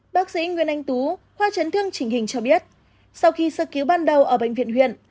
bác sĩ nguyễn anh tú khoa chấn thương trình hình cho biết sau khi sơ cứu ban đầu ở bệnh viện huyện